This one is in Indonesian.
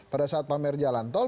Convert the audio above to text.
pada saat pamer jalan tol